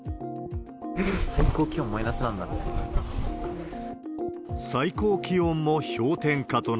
最高気温マイナスなんだみたいな。